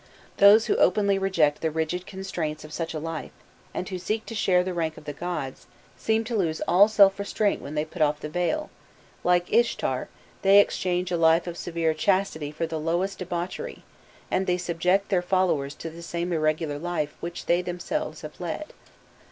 Those who openly reject the rigid constraints of such a life, and who seek to share the rank of the gods, seem to lose all self restraint when they put off the veil: like Ishtar, they exchange a life of severe chastity for the lowest debauchery, and they subject their followers to the same irregular life which they themselves have led.